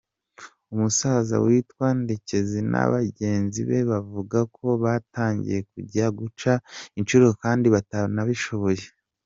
Umusaza witwa Ndekezi na bagenzi be bavuga ko batangiye kujya guca inshuro kandi batanabishoboye.